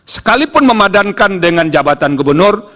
sekalipun memadankan dengan jabatan gubernur